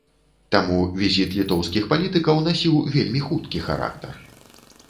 Таму візіт літоўскіх палітыкаў насіў вельмі хуткі характар.